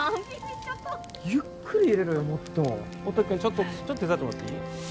ちょっとゆっくり入れろよもっと音くんちょっとちょっと手伝ってもらっていい？